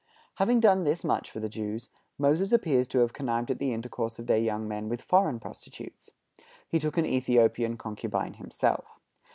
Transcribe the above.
Having done this much for the Jews, Moses appears to have connived at the intercourse of their young men with foreign prostitutes. He took an Ethiopian concubine himself.